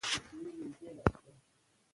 د موقف ټینګ ساتل د ادارې لپاره یو مهم اصل دی.